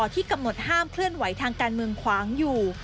ที่กำหนดห้ามเคลื่อนไหวทางการเมืองขวางอยู่